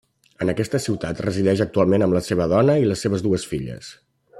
En aquesta ciutat resideix actualment amb la seva dona i les seves dues filles.